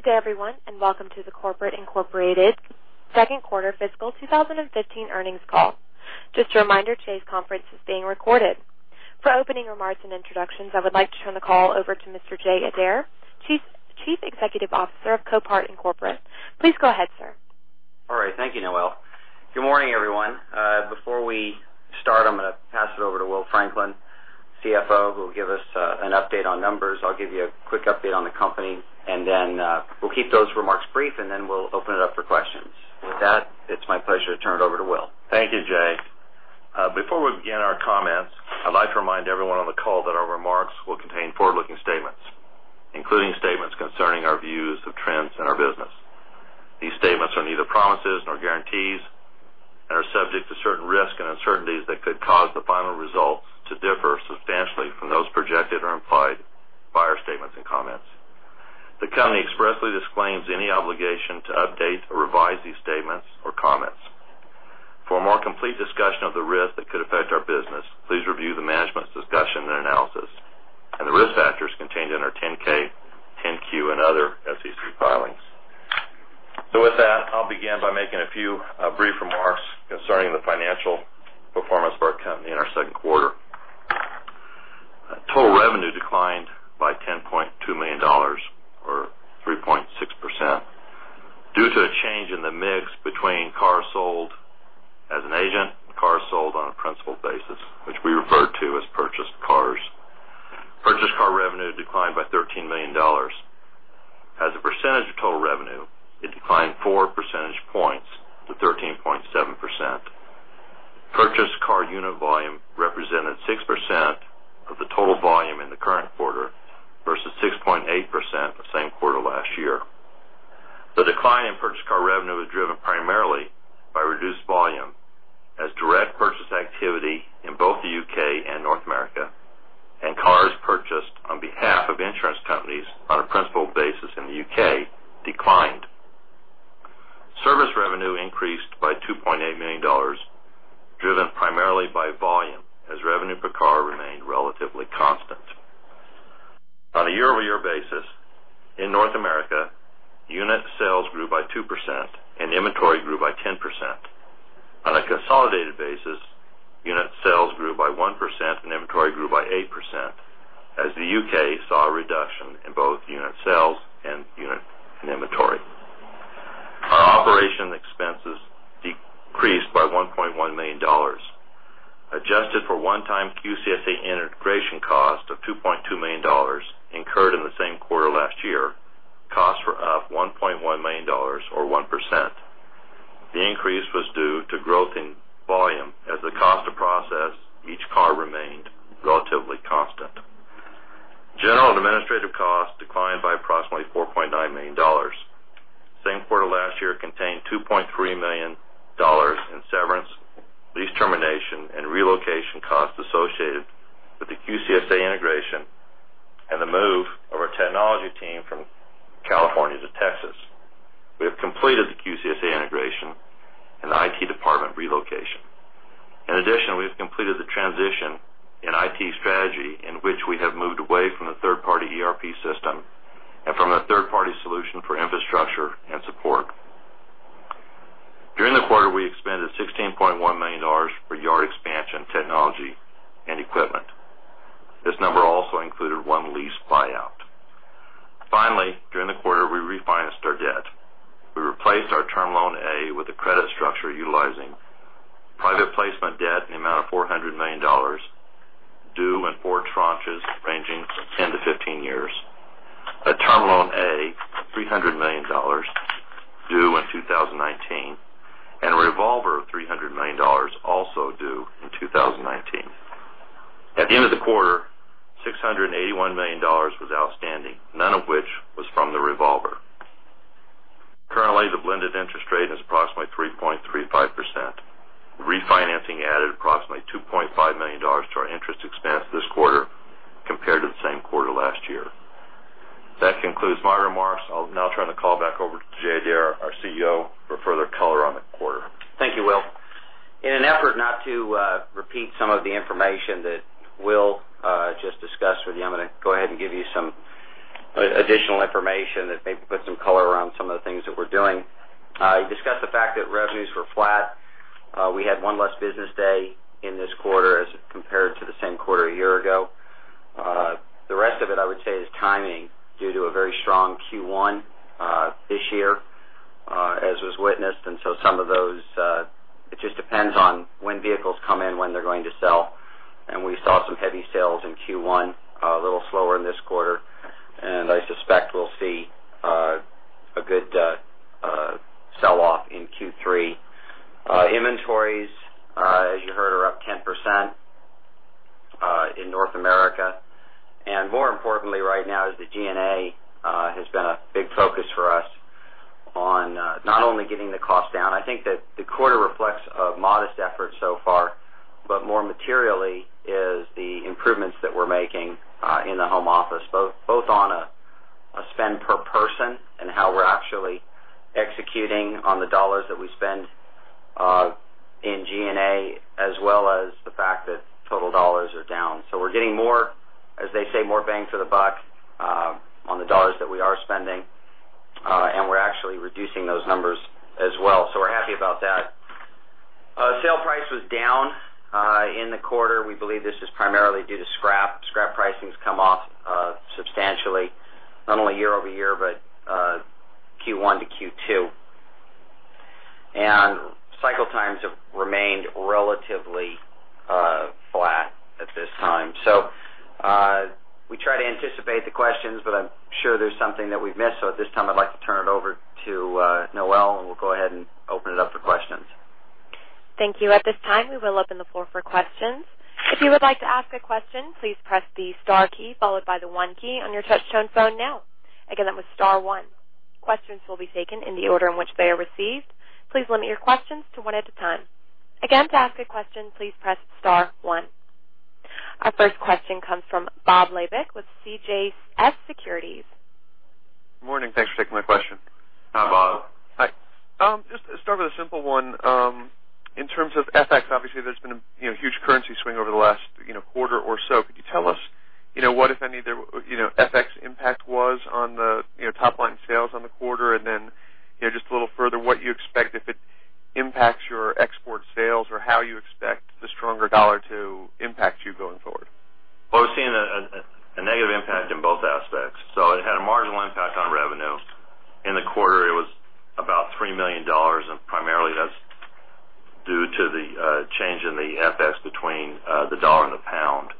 Good day, everyone. Welcome to the Copart, Inc. second quarter fiscal 2015 earnings call. Just a reminder, today's conference is being recorded. For opening remarks and introductions, I would like to turn the call over to Mr. Jay Adair, Chief Executive Officer of Copart, Inc. Please go ahead, sir. All right. Thank you, Noelle. Good morning, everyone. Before we start, I'm going to pass it over to William Franklin, CFO, who will give us an update on numbers. I'll give you a quick update on the company. Then we'll keep those remarks brief. Then we'll open it up for questions. With that, it's my pleasure to turn it over to Will. Thank you, Jay. Before we begin our comments, I'd like to remind everyone on the call that our remarks will contain forward-looking statements, including statements concerning our views of trends in our business. These statements are neither promises nor guarantees and are subject to certain risks and uncertainties that could cause the final results to differ substantially from those projected or implied by our statements and comments. The company expressly disclaims any obligation to update or revise these statements or comments. For a more complete discussion of the risks that could affect our business, please review the management's discussion and analysis and the risk factors contained in our 10-K, 10-Q, and other SEC filings. With that, I'll begin by making a few inventory. Our operation expenses decreased by $1.1 million. Adjusted for one-time QCSA integration cost of $2.2 million incurred in the same quarter last year, costs were up $1.1 million, or 1%. The increase was due to growth in volume as the cost to process each car remained relatively constant. General and administrative costs declined by approximately $4.9 million. Same quarter last year contained $2.3 million in severance, lease termination, and relocation costs associated with the QCSA integration and the move of our technology team from California to Texas. We have completed the QCSA integration and the IT department relocation. We've completed the transition in IT strategy in which we have moved away from the third-party ERP system and from the third-party solution for infrastructure and support. During the quarter, we expended $16.1 million for yard expansion, technology, and equipment. This number also included one lease buyout. During the quarter, we refinanced our debt. We replaced our Term Loan A with a credit structure utilizing private placement debt in the amount of $400 million, due in four tranches ranging from 10 to 15 years, a Term Loan A of $300 million, due in 2019, and a revolver of $300 million, also due in 2019. At the end of the quarter, $681 million was outstanding, none of which was from the revolver. Currently, the blended interest rate is approximately 3.35%. Refinancing added approximately $2.5 million to our interest expense this quarter compared to the same quarter last year. That concludes my remarks. I'll now turn the call back over to Jay Adair, our CEO, for further color on the quarter. Thank you, Will. In an effort not to repeat some of the information that Will just discussed with you, I'm going to go ahead and give you some additional information that maybe puts some color around some of the things that we're doing. He discussed the fact that revenues were flat. We had one less business day in this quarter as compared to the same quarter a year ago. The rest of it, I would say, is timing due to a very strong Q1 this year, as was witnessed. Some of those, it just depends on when vehicles come in, when they're going to sell. We saw some heavy sales in Q1, a little slower in this quarter, and I suspect we'll see a good sell-off in Q3. Inventories, as you heard, are up 10% in North America. More importantly right now is the G&A has been a big focus for us on not only getting the cost down. I think that the quarter reflects a modest effort so far, but more materially is the improvements that we're making in the home office, both on a spend per person and how we're actually executing on the dollars that we spend In G&A, as well as the fact that total dollars are down. We're getting more, as they say, more bang for the buck on the dollars that we are spending, and we're actually reducing those numbers as well. We're happy about that. Sale price was down in the quarter. We believe this is primarily due to scrap. Scrap pricing's come off substantially, not only year-over-year, but Q1 to Q2. Cycle times have remained relatively flat at this time. We try to anticipate the questions, but I'm sure there's something that we've missed. At this time, I'd like to turn it over to Noelle, and we'll go ahead and open it up for questions. Thank you. At this time, we will open the floor for questions. If you would like to ask a question, please press the star key followed by the one key on your touchtone phone now. Again, that was star one. Questions will be taken in the order in which they are received. Please limit your questions to one at a time. Again, to ask a question, please press star one. Our first question comes from Bob Labick with CJS Securities. Good morning. Thanks for taking my question. Hi, Bob. Hi. Just to start with a simple one. In terms of FX, obviously, there's been a huge currency swing over the last quarter or so. Could you tell us what, if any, the FX impact was on the top-line sales on the quarter? Just a little further, what you expect if it impacts your export sales or how you expect the stronger dollar to impact you going forward? Well, we're seeing a negative impact in both aspects. It had a marginal impact on revenue. In the quarter, it was about $3 million, and primarily that's due to the change in the FX between the dollar and the pound.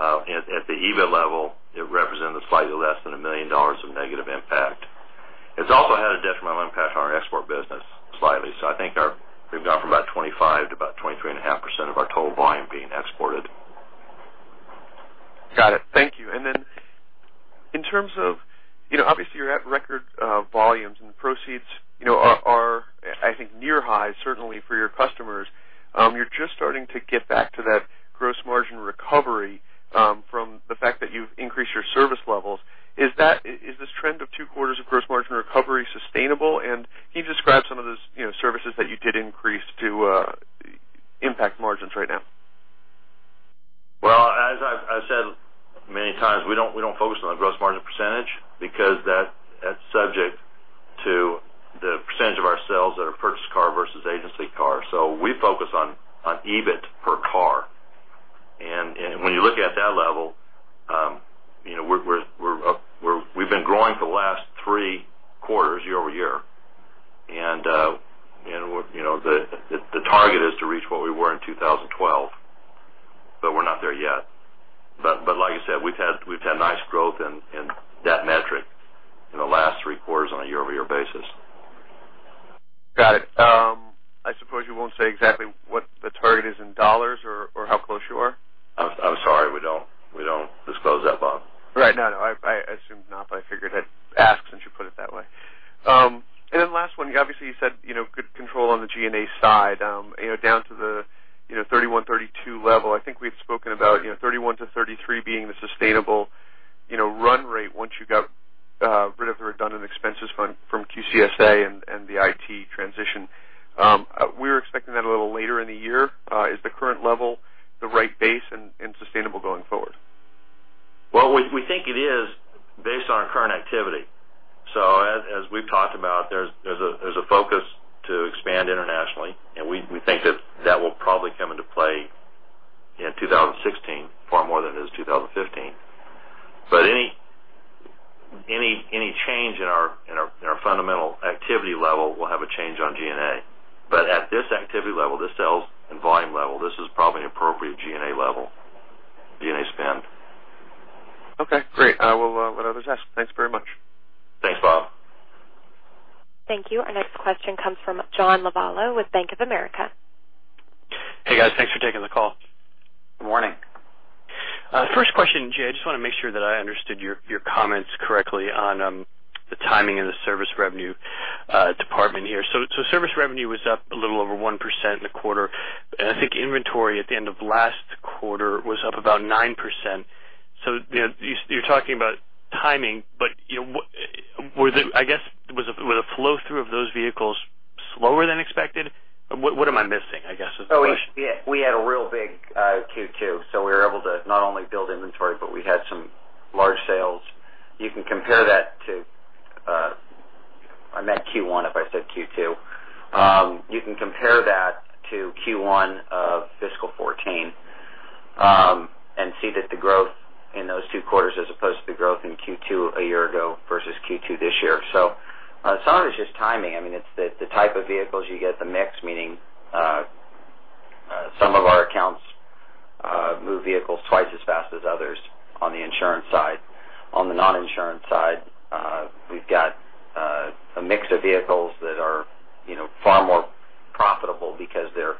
At the EBIT level, it represented slightly less than $1 million of negative impact. It's also had a detrimental impact on our export business slightly. I think we've gone from about 25 to about 23.5% of our total volume being exported. Got it. Thank you. In terms of, obviously, you're at record volumes and proceeds are, I think, near high, certainly for your customers. You're just starting to get back to that gross margin recovery from the fact that you've increased your service levels. Is this trend of two quarters of gross margin recovery sustainable? Can you describe some of those services that you did increase to impact margins right now? As I've said many times, we don't focus on the gross margin percentage because that's subject to the percentage of our sales that are purchased car versus agency car. We focus on EBIT per car. When you look at that level, we've been growing for the last three quarters year-over-year. The target is to reach what we were in 2012. We're not there yet. Like I said, we've had nice growth in that metric in the last three quarters on a year-over-year basis. Got it. I suppose you won't say exactly what the target is in dollars or how close you are? I'm sorry. We don't disclose that, Bob. Right. No, I assumed not, but I figured I'd ask since you put it that way. Last one, obviously, you said good control on the G&A side down to the 31, 32 level. I think we've spoken about 31-33 being the sustainable run rate once you got rid of the redundant expenses from QCSA and the IT transition. We were expecting that a little later in the year. Is the current level the right base and sustainable going forward? Well, we think it is based on our current activity. As we've talked about, there's a focus to expand internationally, and we think that that will probably come into play in 2016, far more than it is 2015. Any change in our fundamental activity level will have a change on G&A. At this activity level, this sales and volume level, this is probably an appropriate G&A level, G&A spend. Okay, great. I will let others ask. Thanks very much. Thanks, Bob. Thank you. Our next question comes from John Lovallo with Bank of America. Hey, guys. Thanks for taking the call. Good morning. First question, Jay, I just want to make sure that I understood your comments correctly on the timing and the service revenue department here. Service revenue was up a little over 1% in the quarter. I think inventory at the end of last quarter was up about 9%. You're talking about timing, but I guess, was the flow-through of those vehicles slower than expected? What am I missing, I guess, is the question. We had a real big Q2, so we were able to not only build inventory, but we had some large sales. You can compare that to I meant Q1 if I said Q2. You can compare that to Q1 of fiscal 2014 and see that the growth in those two quarters as opposed to the growth in Q2 a year ago versus Q2 this year. Some of it's just timing. It's the type of vehicles you get, the mix, meaning some of our accounts move vehicles twice as fast as others on the insurance side. On the non-insurance side, we've got a mix of vehicles that are far more profitable because they're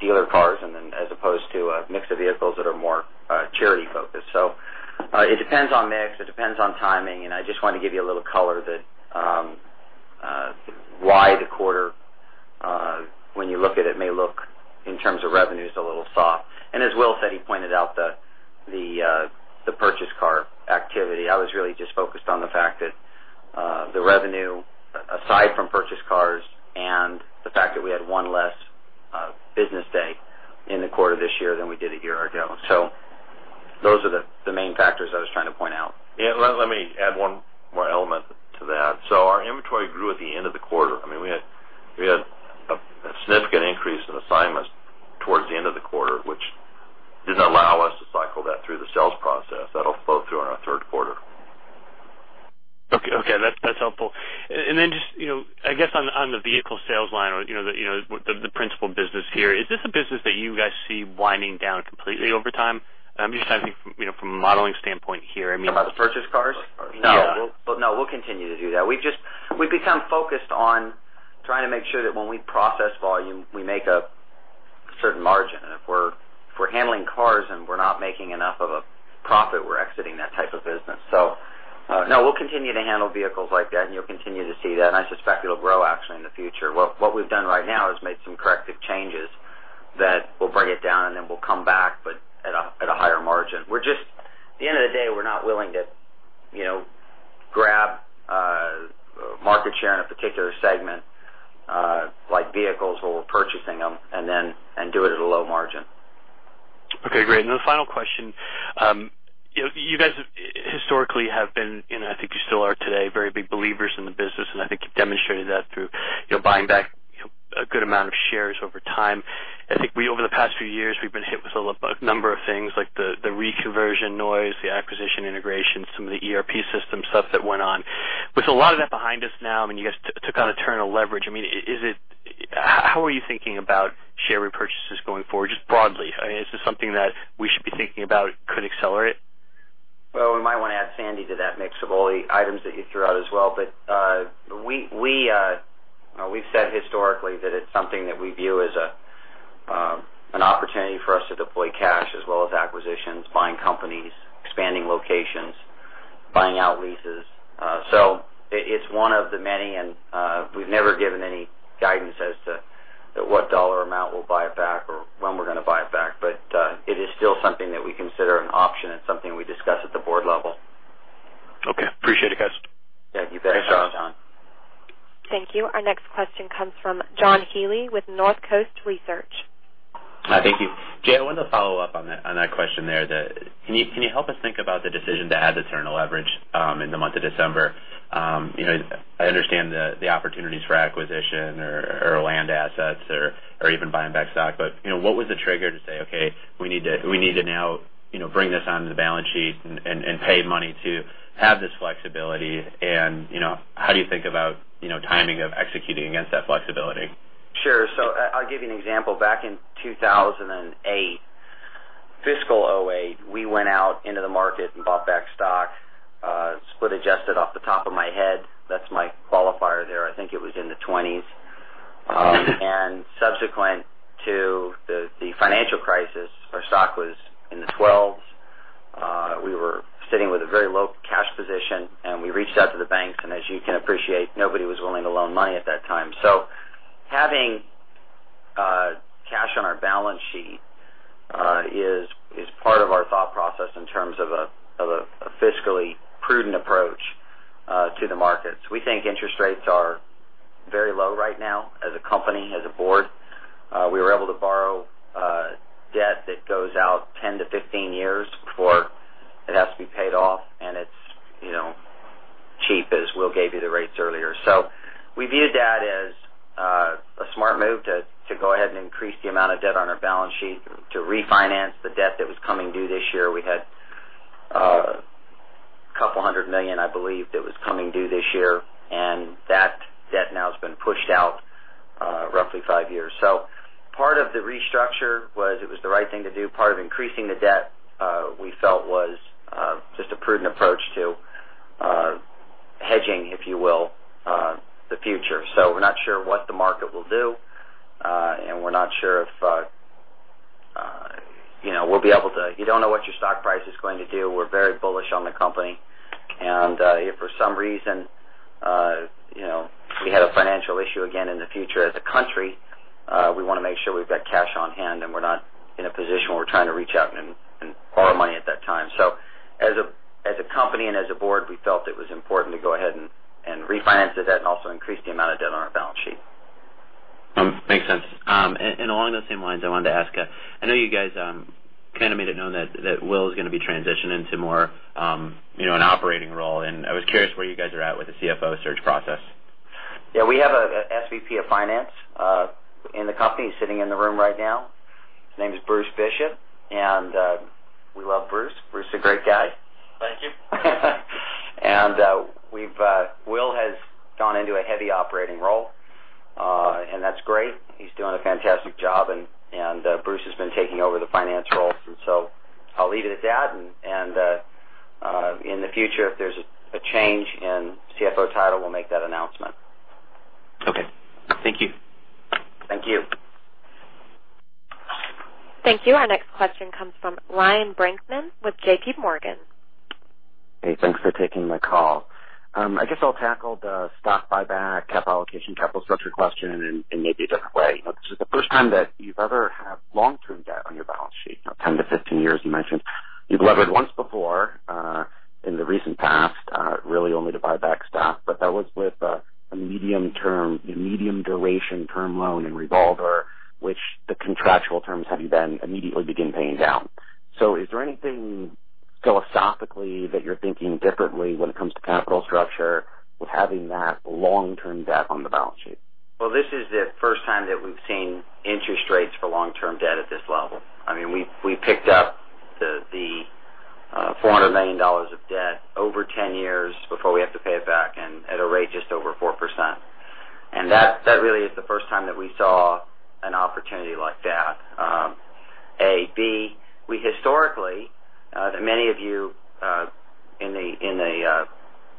dealer cars and then as opposed to a mix of vehicles that are more charity focused. It depends on mix, it depends on timing, I just wanted to give you a little color that why the quarter When you look at it may look, in terms of revenues, a little soft. As Will said, he pointed out the purchase car activity. I was really just focused on the fact that the revenue, aside from purchase cars, and the fact that we had one less business day in the quarter this year than we did a year ago. Those are the main factors I was trying to point out. Yeah. Let me add one more element to that. Our inventory grew at the end of the quarter. We had a significant increase in assignments towards the end of the quarter, which didn't allow us to cycle that through the sales process. That'll flow through in our third quarter. Okay. That's helpful. Then just, I guess, on the vehicle sales line, the principal business here, is this a business that you guys see winding down completely over time? I'm just asking from a modeling standpoint here, I mean- You're talking about the purchase cars? Yeah. No, we'll continue to do that. We've become focused on trying to make sure that when we process volume, we make a certain margin. If we're handling cars and we're not making enough of a profit, we're exiting that type of business. No, we'll continue to handle vehicles like that, and you'll continue to see that. I suspect it'll grow, actually, in the future. What we've done right now is made some corrective changes that will bring it down, and then we'll come back, but at a higher margin. At the end of the day, we're not willing to grab market share in a particular segment, like vehicles where we're purchasing them, and do it at a low margin. Okay, great. The final question. You guys historically have been, and I think you still are today, very big believers in the business, and I think you've demonstrated that through buying back a good amount of shares over time. I think over the past few years, we've been hit with a number of things like the reconversion noise, the acquisition integration, some of the ERP system stuff that went on. With a lot of that behind us now, you guys took on internal leverage. How are you thinking about share repurchases going forward, just broadly? Is this something that we should be thinking about could accelerate? Well, we might want to add Sandy to that mix of all the items that you threw out as well. We've said historically that it's something that we view as an opportunity for us to deploy cash as well as acquisitions, buying companies, expanding locations, buying out leases. It's one of the many, and we've never given any guidance as to at what dollar amount we'll buy it back or when we're going to buy it back. It is still something that we consider an option. It's something we discuss at the board level. Okay. Appreciate it, guys. Yeah, you bet, John. Thank you. Our next question comes from John Healy with Northcoast Research. Hi. Thank you. Jay, I wanted to follow up on that question there. Can you help us think about the decision to add the internal leverage in the month of December? I understand the opportunities for acquisition or land assets or even buying back stock. What was the trigger to say, okay, we need to now bring this onto the balance sheet and pay money to have this flexibility? How do you think about timing of executing against that flexibility? Sure. I'll give you an example. Back in 2008, fiscal 2008, we went out into the market and bought back stock, split adjusted off the top of my head. That's my qualifier there. I think it was in the 20s. Subsequent to the financial crisis, our stock was in the 12s. We were sitting with a very low cash position, and we reached out to the banks, and as you can appreciate, nobody was willing to loan money at that time. Having cash on our balance sheet is part of our thought process in terms of a fiscally prudent approach to the markets. We think interest rates are very low right now as a company, as a board. We were able to borrow debt that goes out 10 to 15 years before it has to be paid off, and it's cheap, as Will gave you the rates earlier. We viewed that as a smart move to go ahead and increase the amount of debt on our balance sheet to refinance the debt that was coming due this year. We had a couple hundred million, I believe, that was coming due this year, and that debt now has been pushed out roughly 5 years. Part of the restructure was it was the right thing to do. Part of increasing the debt, we felt was just a prudent approach to hedging, if you will, the future. We're not sure what the market will do. You don't know what your stock price is going to do. We're very bullish on the company, if for some reason we had a financial issue again in the future as a country, we want to make sure we've got cash on hand and we're not in a position where we're trying to reach out and borrow money at that time. As a company and as a board, we felt it was important to go ahead and refinance the debt and also increase the amount of debt on our balance sheet. Makes sense. Along those same lines, I wanted to ask, I know you guys kind of made it known that Will is going to be transitioning to more an operating role, and I was curious where you guys are at with the CFO search process. Yeah, we have a SVP of finance in the company, sitting in the room right now. His name is Bruce Bishop. We love Bruce. Bruce is a great guy. Thank you. Will has gone into a heavy operating role. That's great. He's doing a fantastic job. Bruce has been taking over the finance role. So I'll leave it at that. In the future, if there's a change in CFO title, we'll make that announcement. Okay. Thank you. Thank you. Thank you. Our next question comes from Ryan Brinkman with JPMorgan. Hey, thanks for taking my call. I guess I'll tackle the stock buyback, cap allocation, capital structure question in maybe a different way. This is the first time that you've ever had long-term debt on your balance sheet, 10-15 years, you mentioned. You've levered once before, in the recent past, really only to buy back stock, but that was with a medium term, medium duration Term Loan A and revolver, which the contractual terms have you then immediately begin paying down. Is there anything philosophically that you're thinking differently when it comes to capital structure with having that long-term debt on the balance sheet? Well, this is the first time that we've seen interest rates for long-term debt at this level. We picked up the $400 million of debt over 10 years before we have to pay it back and at a rate just over 4%. That really is the first time that we saw an opportunity like that, A. B, we historically, that many of you in the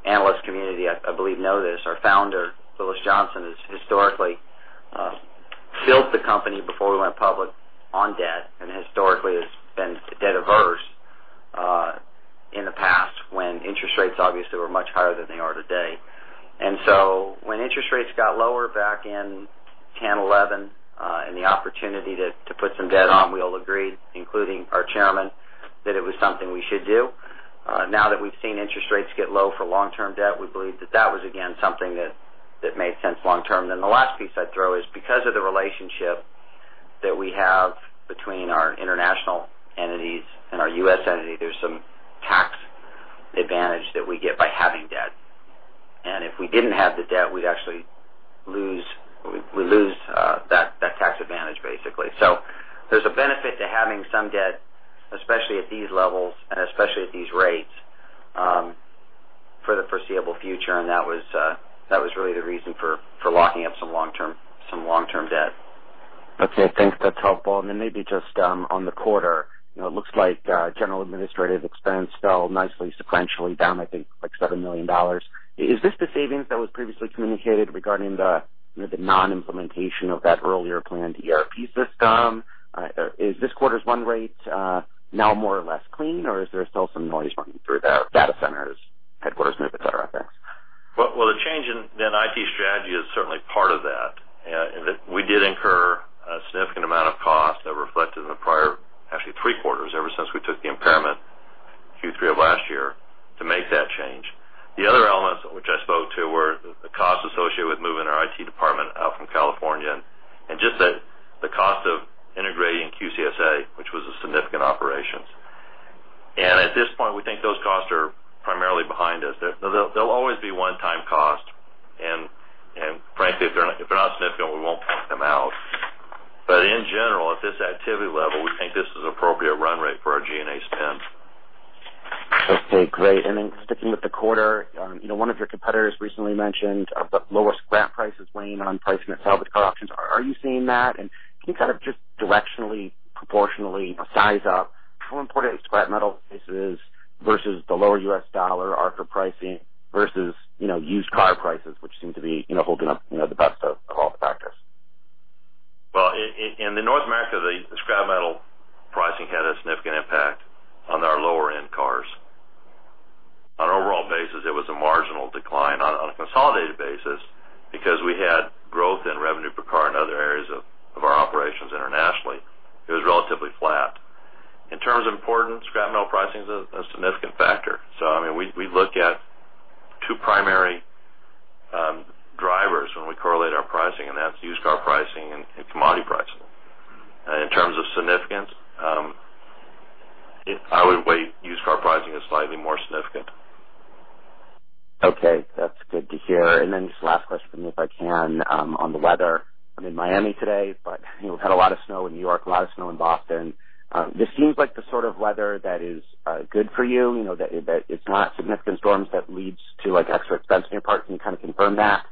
analyst community, I believe, know this. Our founder, Willis J. Johnson, has historically built the company before we went public on debt, and historically has been debt-averse in the past when interest rates obviously were much higher than they are today. When interest rates got lower back in 2010, 2011, and the opportunity to put some debt on, we all agreed, including our chairman, that it was something we should do. Now that we've seen interest rates get low for long-term debt, we believe that that was, again, something that made sense long term. The last piece I'd throw is because of the relationship that we have between our international entities and our U.S. entity, there's some tax advantage that we get by having debt. If we didn't have the debt, we'd actually lose that tax advantage, basically. There's a benefit to having some debt, especially at these levels and especially at these rates, for the foreseeable future, and that was really the reason for locking up some long-term debt. Okay, thanks. That's helpful. Maybe just on the quarter, it looks like general administrative expense fell nicely sequentially down, I think, like $7 million. Is this the savings that was previously communicated regarding the non-implementation of that earlier planned ERP system? Is this quarter's run rate now more or less clean, or is there still some noise running through the data centers, headquarters move, et cetera? Thanks. Well, the change in IT strategy is certainly part of that. We did incur a significant amount of cost that reflected in the prior, actually three quarters, ever since we took the impairment Q3 of last year to make that change. The other elements which I spoke to were the cost associated with moving our IT department out from California and just the cost of integrating QCSA, which was a significant operations. At this point, we think those costs are primarily behind us. There'll always be one-time cost, and frankly, if they're not significant, we won't point them out. In general, at this activity level, we think this is appropriate run rate for our G&A spend. Okay, great. Sticking with the quarter, one of your competitors recently mentioned the lower scrap prices weighing on pricing at salvage car auctions. Are you seeing that? Can you kind of just directionally, proportionally size up how important scrap metal prices versus the lower U.S. dollar are for pricing versus used car prices, which seem to be holding up the best of all the factors? In North America, the scrap metal pricing had a significant impact on our lower-end cars. On an overall basis, it was a marginal decline. On a consolidated basis, because we had growth in revenue per car in other areas of our operations internationally, it was relatively flat. In terms of importance, scrap metal pricing is a significant factor. We look at two primary drivers when we correlate our pricing, and that's used car pricing and commodity pricing. In terms of significance, I would weigh used car pricing as slightly more significant. Okay, that's good to hear. Just the last question from me, if I can, on the weather. I'm in Miami today, but we've had a lot of snow in New York, a lot of snow in Boston. This seems like the sort of weather that is good for you, that it's not significant storms that leads to extra expense in your parts. Can you kind of confirm that?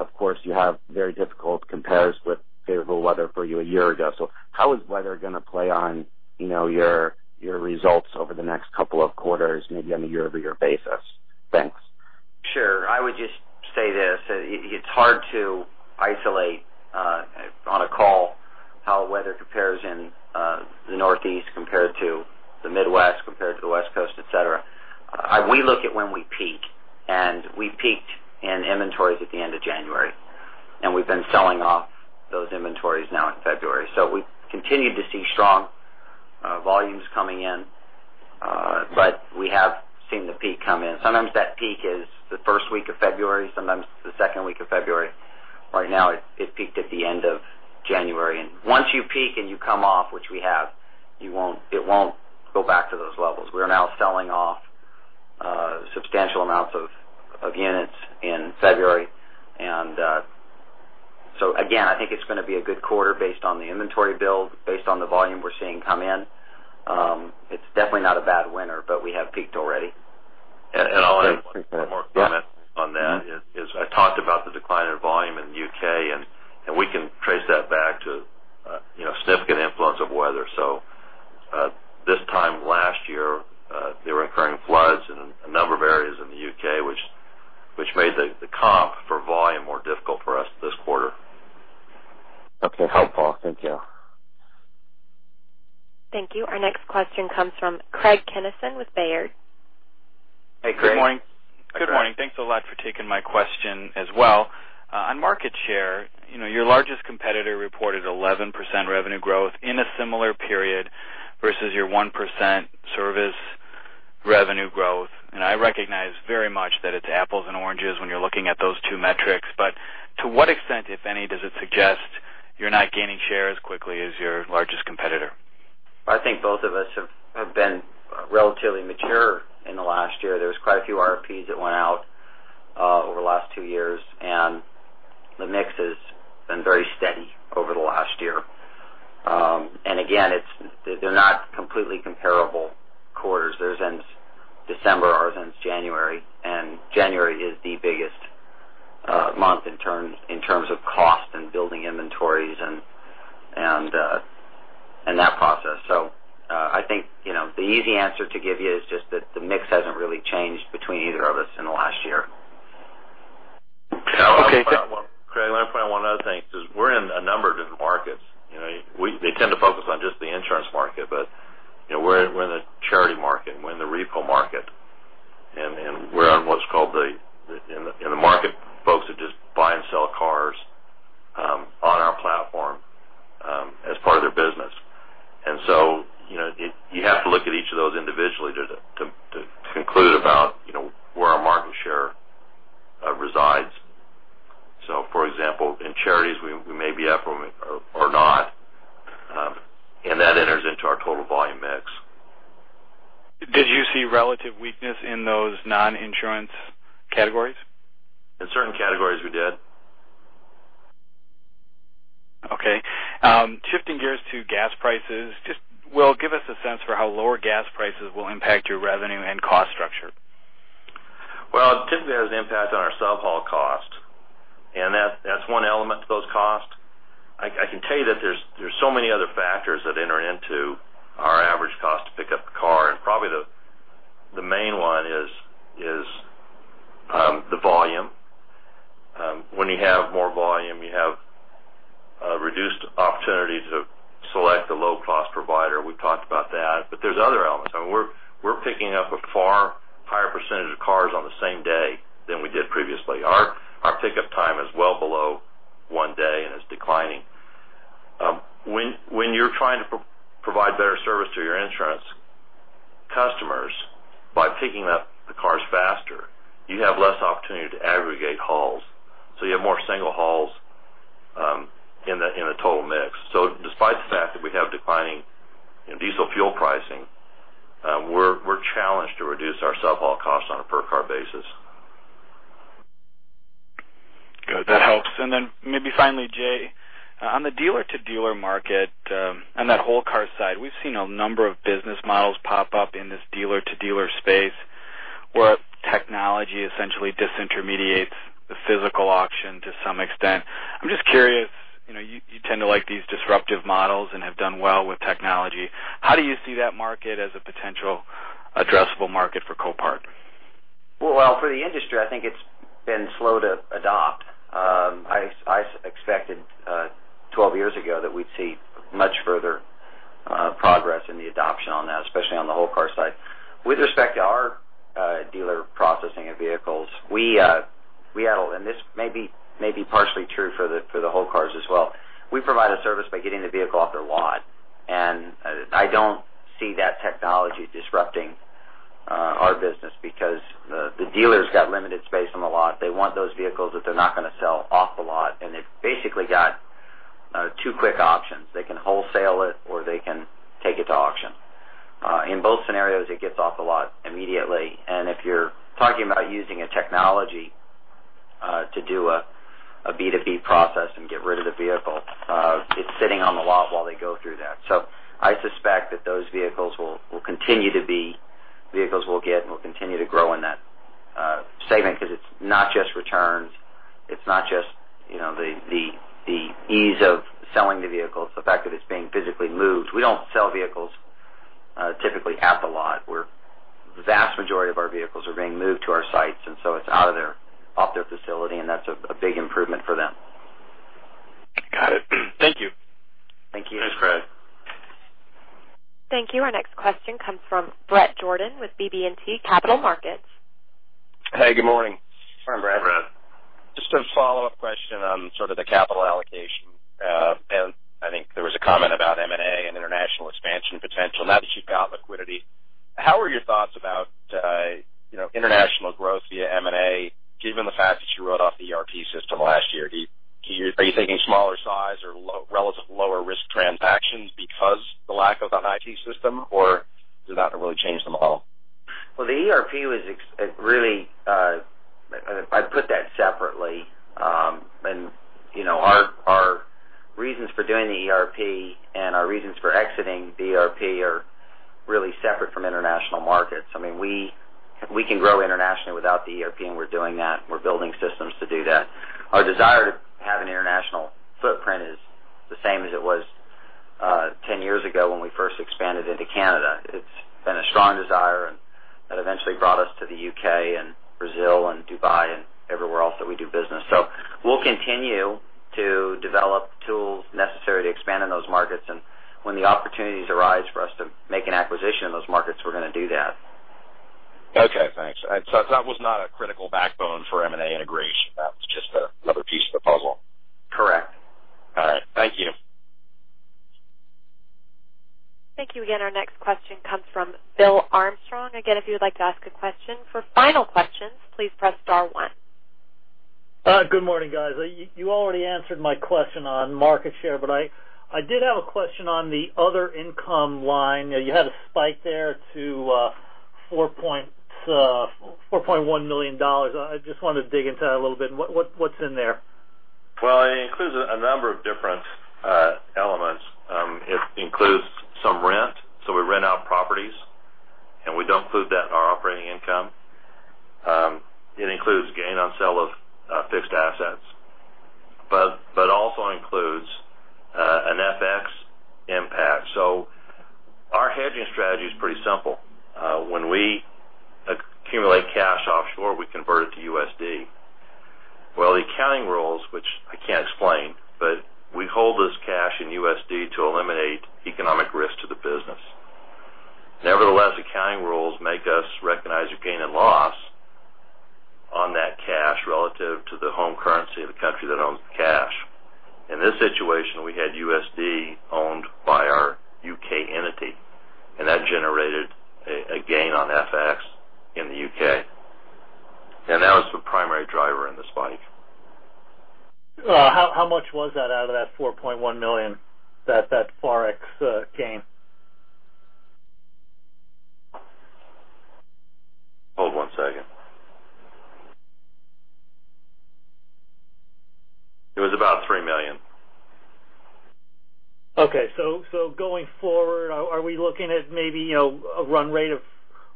Of course, you have very difficult compares with favorable weather for you a year ago. How is weather going to play on your results over the next couple of quarters, maybe on a year-over-year basis? Thanks. Sure. I would just say this. It's hard to isolate on a call how weather compares in the Northeast compared to the Midwest compared to the West Coast, et cetera. We look at when we peak, and we peaked in inventories at the end of January, and we've been selling off those inventories now in February. We continue to see strong volumes coming in, but we have seen the peak come in. Sometimes that peak is the first week of February, sometimes it's the second week of February. Right now, it peaked at the end of January. Once you peak and you come off, which we have, it won't go back to those levels. We are now selling off substantial amounts of units in February. Again, I think it's going to be a good quarter based on the inventory build, based on the volume we're seeing come in. It's definitely not a bad winter, but we have peaked already. I'll add one more comment on that. I talked about the decline in volume in the U.K., and we can trace that back to significant influence of weather. This time last year, they were incurring floods in a number of areas in the U.K., which made the comp for volume more difficult for us this quarter. Okay. Helpful. Thank you. Thank you. Our next question comes from Craig Kennison with Baird. Hey, Craig. Good morning. Hi, Craig. Good morning. Thanks a lot for taking my question as well. On market share, your largest competitor reported 11% revenue growth in a similar period versus your 1% service revenue growth. I recognize very much that it's apples and oranges when you're looking at those two metrics. To what extent, if any, does it suggest you're not gaining share as quickly as your largest competitor? I think both of us have been relatively mature in the last year. There's quite a few RFPs that went out over the last two years, and the mix has been very steady over the last year. Again, they're not completely comparable quarters. Theirs ends December, ours ends January, and January is the biggest month in terms of cost and building inventories and that process. I think, the easy answer to give you is just that the mix hasn't really changed between either of us in the last year. Craig, let me point out one other thing, because we're in a number of different markets. They tend to focus on just the insurance market, but we're in the charity market, and we're in the repo market. We're on the market, folks that just buy and sell cars on our platform as part of their business. You have to look at each of those individually to conclude about where our market share resides. For example, in charities, we may be up or not, and that enters into our total volume mix. Did you see relative weakness in those non-insurance categories? In certain categories, we did. Okay. Shifting gears to gas prices. Will, give us a sense for how lower gas prices will impact your revenue and cost structure. Typically, there's an impact on our subhaul cost, and that's one element to those costs. I can tell you that there's so many other factors that enter into our average cost to pick up a car, and probably the main one is the volume. When you have more volume, you have a reduced opportunity to select a low-cost provider. We've talked about that. There's other elements. I mean, we're picking up a far higher percentage of cars on the same day than we did previously. Our pickup time is well below one day and is declining. When you're trying to provide better service to your insurance customers by picking up the cars faster, you have less opportunity to aggregate hauls. You have more single hauls in a total mix. Despite the fact that we have declining diesel fuel pricing, we're challenged to reduce our subhaul costs on a per-car basis. Good. That helps. Then maybe finally, Jay, on the dealer-to-dealer market, on that whole car side, we've seen a number of business models pop up in this dealer-to-dealer space where technology essentially disintermediates the physical auction to some extent. I'm just curious. You tend to like these disruptive models and have done well with technology. How do you see that market as a potential addressable market for Copart? For the industry, I think it's been slow to adopt. I expected, 12 years ago, that we'd see much further progress in the adoption on that, especially on the whole car side. With respect to our dealer processing of vehicles, and this may be partially true for the whole cars as well. We provide a service by getting the vehicle off their lot, and I don't see that technology disrupting our business because the dealers got limited space on the lot. They want those vehicles that they're not going to sell off the lot, and they've basically got two quick options. They can wholesale it, or they can take it to auction. In both scenarios, it gets off the lot immediately. If you're talking about using a technology to do a B2B process and get rid of the vehicle, it's sitting on the lot while they go through that. I suspect that those vehicles will continue to be vehicles we'll get, and we'll continue to grow in that segment because it's not just returns. It's not just the ease of selling the vehicle. It's the fact that it's being physically moved. We don't sell vehicles typically at the lot, where the vast majority of our vehicles are being moved to our sites, and so it's out of there, off their facility, and that's a big improvement for them. Got it. Thank you. Thank you. Thanks, Craig. Thank you. Our next question comes from Bret Jordan with BB&T Capital Markets. Hey, good morning. Hi, Bret. Just a follow-up question on sort of the capital allocation. I think there was a comment about M&A and international expansion potential. Now that you've got liquidity, how are your thoughts about international growth via M&A, given the fact that you wrote off the ERP system last year? Are you thinking smaller size or relative lower-risk transactions because the lack of an IT system, or does that not really change the model? Well, the ERP was I'd put that separately. Our reasons for doing the ERP and our reasons for exiting the ERP are Really separate from international markets. We can grow internationally without the ERP, and we're doing that. We're building systems to do that. Our desire to have an international footprint is the same as it was 10 years ago when we first expanded into Canada. It's been a strong desire, that eventually brought us to the U.K. and Brazil and Dubai and everywhere else that we do business. We'll continue to develop tools necessary to expand in those markets. When the opportunities arise for us to make an acquisition in those markets, we're going to do that. Okay, thanks. That was not a critical backbone for M&A integration. That was just another piece of the puzzle. Correct. All right. Thank you. Thank you again. Our next question comes from Bill Armstrong. Again, if you would like to ask a question. For final questions, please press star one. Good morning, guys. You already answered my question on market share, but I did have a question on the other income line. You had a spike there to $4.1 million. I just wanted to dig into that a little bit. What's in there? It includes a number of different elements. It includes some rent. We rent out properties, and we don't include that in our operating income. It includes gain on sale of fixed assets, also includes an FX impact. Our hedging strategy is pretty simple. When we accumulate cash offshore, we convert it to USD. The accounting rules, which I can't explain, but we hold this cash in USD to eliminate economic risk to the business. Nevertheless, accounting rules make us recognize a gain and loss on that cash relative to the home currency of the country that owns the cash. In this situation, we had USD owned by our U.K. entity, and that generated a gain on FX in the U.K., and that was the primary driver in the spike. How much was that out of that $4.1 million, that Forex gain? Hold one second. It was about $3 million. Okay. Going forward, are we looking at maybe a run rate of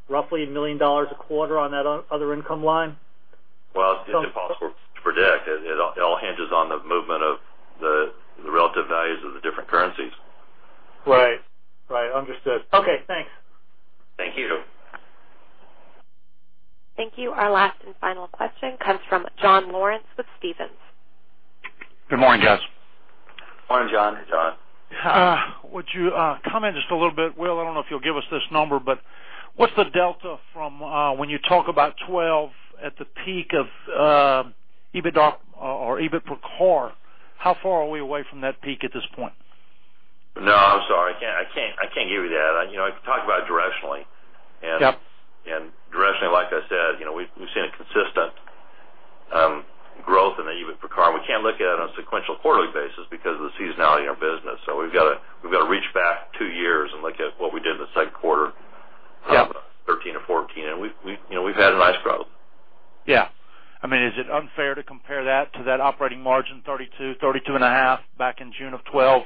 roughly $1 million a quarter on that other income line? Well, it's impossible to predict. It all hinges on the movement of the relative values of the different currencies. Right. Understood. Okay, thanks. Thank you. Thank you. Our last and final question comes from John Lawrence with Stephens. Good morning, guys. Morning, John. Hey, John. Would you comment just a little bit, Will, I don't know if you'll give us this number, but what's the delta from when you talk about 2012 at the peak of EBITDA or EBIT per car? How far are we away from that peak at this point? No, I'm sorry. I can't give you that. I can talk about it directionally. Yep. Directionally, like I said, we've seen a consistent growth in the EBIT per car. We can't look at it on a sequential quarterly basis because of the seasonality in our business. We've got to reach back two years and look at what we did in the second quarter- Yep of 2013 or 2014, we've had a nice growth. Yeah. Is it unfair to compare that to that operating margin, 32%, 32.5% back in June of 2012?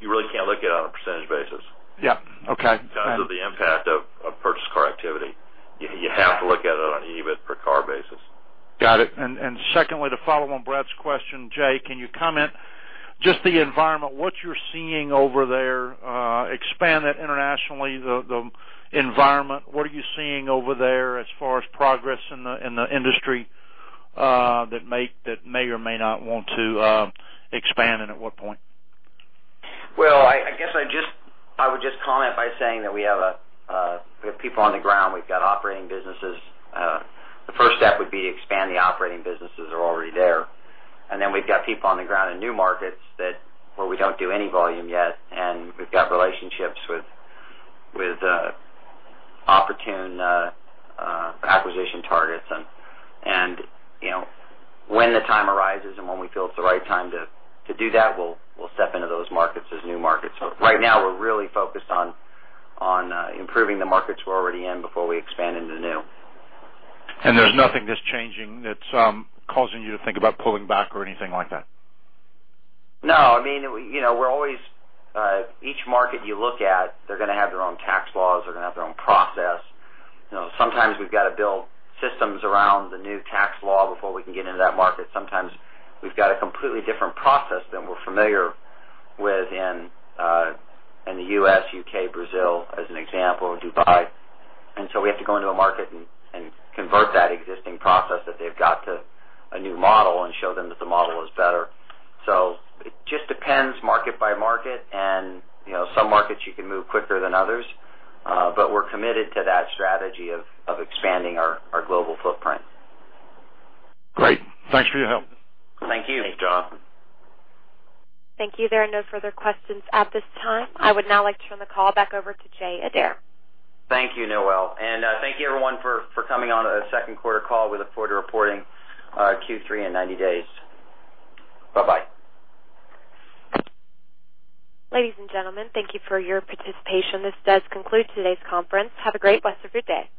You really can't look at it on a percentage basis. Yeah. Okay. Because of the impact of purchased car activity, you have to look at it on an EBIT per car basis. Got it. Secondly, to follow on Bret's question, Jay, can you comment just the environment, what you're seeing over there, expand it internationally, the environment? What are you seeing over there as far as progress in the industry that may or may not want to expand, and at what point? I guess I would just comment by saying that we have people on the ground. We've got operating businesses. The first step would be to expand the operating businesses that are already there. Then we've got people on the ground in new markets where we don't do any volume yet, and we've got relationships with opportune acquisition targets. When the time arises and when we feel it's the right time to do that, we'll step into those markets as new markets. Right now, we're really focused on improving the markets we're already in before we expand into new. There's nothing that's changing that's causing you to think about pulling back or anything like that? No. Each market you look at, they're going to have their own tax laws. They're going to have their own process. Sometimes we've got to build systems around the new tax law before we can get into that market. Sometimes we've got a completely different process than we're familiar with in the U.S., U.K., Brazil, as an example, or Dubai. We have to go into a market and convert that existing process that they've got to a new model and show them that the model is better. It just depends market by market, and some markets you can move quicker than others. We're committed to that strategy of expanding our global footprint. Great. Thanks for your help. Thank you. Thanks, John. Thank you. There are no further questions at this time. I would now like to turn the call back over to Jay Adair. Thank you, Noelle. Thank you everyone for coming on the second quarter call. We look forward to reporting Q3 in 90 days. Bye-bye. Ladies and gentlemen, thank you for your participation. This does conclude today's conference. Have a great rest of your day.